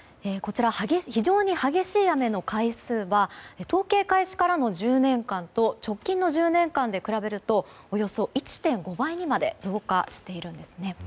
非常に激しい雨の回数は統計開始からの１０年間と直近の１０年間で比べるとおよそ１．５倍にまで増加しているんですね。